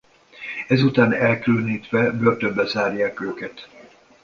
Ezután elkülönítve börtönbe zárják őket.